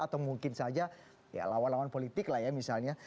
atau mungkin saja ya lawan lawan politik lah ya misalnya